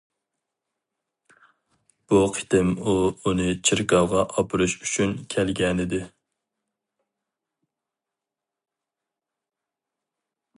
بۇ قېتىم ئۇ ئۇنى چېركاۋغا ئاپىرىش ئۈچۈن كەلگەنىدى.